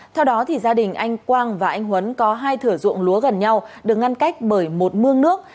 theo đó gia đình anh quang và anh huấn có hai thửa ruộng lúa gần nhau được ngăn cách bởi một mương nước